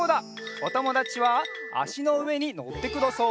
おともだちはあしのうえにのってください。